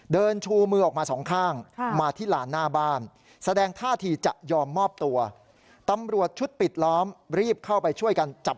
เดินชูมือออกมาสองข้างมาที่หลานหน้าบ้าน